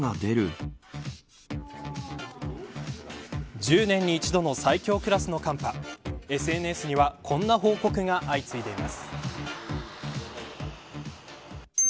１０年に一度の最強クラスの寒波ＳＮＳにはこんな報告が相次いでいます。